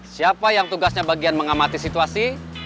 siapa yang tugasnya bagian mengamati situasi